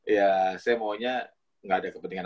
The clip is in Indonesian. ya saya maunya nggak ada kepentingan